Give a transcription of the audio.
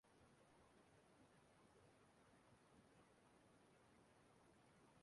Nri ndị Igbo bụ nri kacha mma n’ụwa niile.